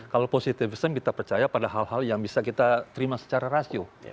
kalau positivison kita percaya pada hal hal yang bisa kita terima secara rasio